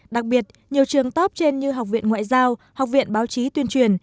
đặc biệt nhiều trường top trên như học viện ngoại giao học viện báo chí tuyên truyền